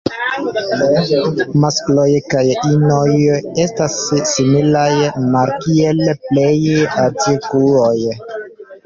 Maskloj kaj inoj estas similaj, malkiel plej cirkuoj.